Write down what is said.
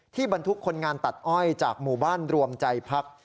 บรรทุกคนงานตัดอ้อยจากหมู่บ้านรวมใจพัก